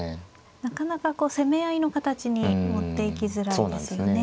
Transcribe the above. なかなか攻め合いの形に持っていきづらいですよね。